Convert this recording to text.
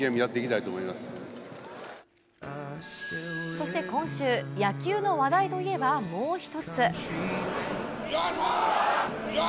そして今週、野球の話題と言えばもう１つ。